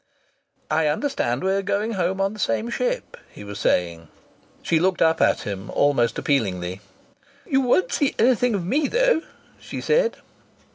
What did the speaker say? "I understand we're going home on the same ship!" he was saying. She looked up at him, almost appealingly. "You won't see anything of me, though," she said.